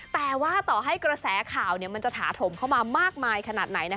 แต่ว่าต่อให้กระแสข่าวมันจะถาถมเข้ามามากมายขนาดไหน